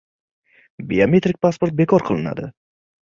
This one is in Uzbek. Biometrik pasport bekor qilinadi